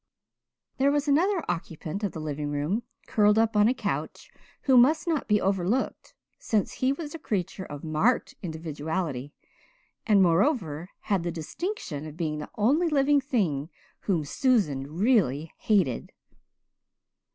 There was another occupant of the living room, curled up on a couch, who must not be overlooked, since he was a creature of marked individuality, and, moreover, had the distinction of being the only living thing whom Susan really hated.